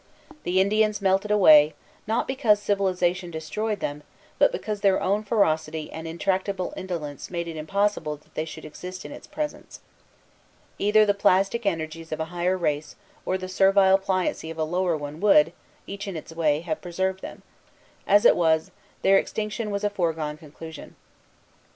The Indians melted away, not because civilization destroyed them, but because their own ferocity and intractable indolence made it impossible that they should exist in its presence. Either the plastic energies of a higher race or the servile pliancy of a lower one would, each in its way, have preserved them: as it was, their extinction was a foregone conclusion.